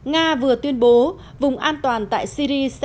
nga vừa tuyên bố vùng an toàn tại syri sẽ đóng cửa